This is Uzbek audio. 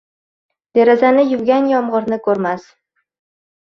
Derazani yuvgan yomg’irni ko’rmas